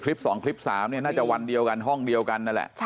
๒คลิป๓เนี่ยน่าจะวันเดียวกันห้องเดียวกันนั่นแหละ